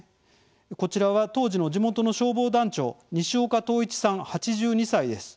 こちらは当時の地元の消防団長西岡統一さん、８２歳です。